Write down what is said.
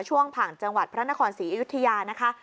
ช่วงผ่านจังหวัดพระนครศรีอยุธยานะคะ